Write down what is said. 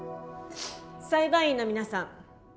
裁判員の皆さん